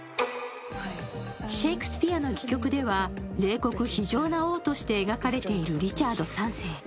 シェイクスピアの戯曲では冷酷非情な王として描かれているリチャード３世。